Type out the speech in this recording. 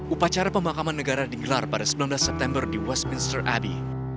upacara pemakaman negara digelar pada sembilan belas september di westminster abbey